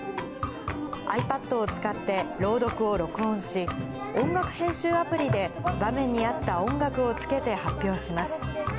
ｉＰａｄを使って朗読を録音し、音楽編集アプリで、画面に合った音楽をつけて発表します。